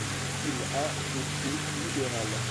Il a des idées libérales.